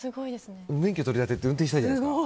免許取り立てって運転したいじゃないですか。